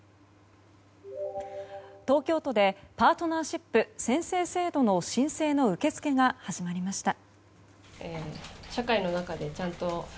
東京都でパートナーシップ宣誓制度の申請の受け付けが始まりました。